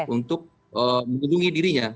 untuk mengundungi dirinya